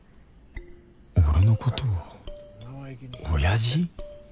俺のことを親父？